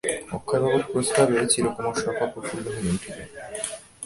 অক্ষয়বাবুর প্রস্তাবে চিরকুমার-সভা প্রফুল্ল হইয়া উঠিল।